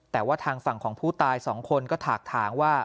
แต่ว่าทางฝั่งของผู้ตายสองคนก็ถากถามว่า